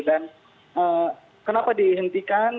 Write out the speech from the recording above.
dan kenapa dihentikan